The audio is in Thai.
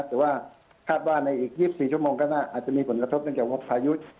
แต่ว่าคาดว่าในอีก๒๔ชั่วโมงก็อาจจะมีผลกระทบเนื่องจากว่าพายุ